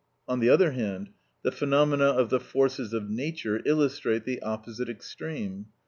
On the other hand, the phenomena of the forces of nature illustrate the opposite extreme.